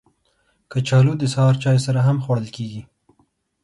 کچالو د سهار چای سره هم خوړل کېږي